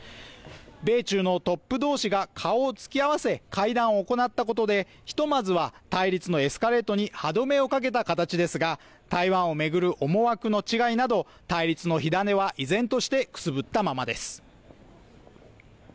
米中のトップ同士が顔をつきあわせ会談を行ったことでひとまずは対立のエスカレートに歯止めをかけた形ですが、台湾を巡る思惑の違いなど対立の火種は依然としてくすぶったままです。